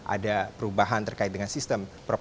ada perubahan terkait dengan sistem